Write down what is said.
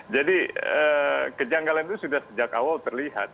jadi kejanggalan itu sudah sejak awal terlihat